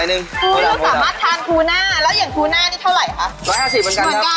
แล้วอย่างทูน่านี่เท่าไหร่คะ